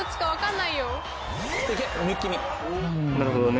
なるほどね。